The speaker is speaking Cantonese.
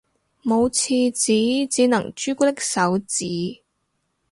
冇廁紙只能朱古力手指